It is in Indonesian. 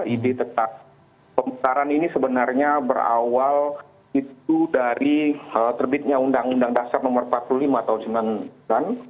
ide tentang pemekaran ini sebenarnya berawal itu dari terbitnya undang undang dasar no empat puluh lima tahun sembilan puluh an